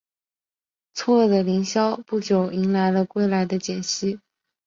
错愕的林萧不久迎来了归来的简溪。